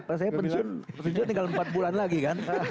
karena saya pensiun tinggal empat bulan lagi kan